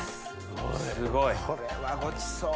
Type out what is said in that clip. すごいこれはごちそう。